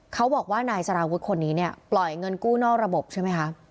เขาบอกว่านายสารวุฒิคนนี้เนี่ยปล่อยเงินกู้นอกระบบใช่ไหมคะ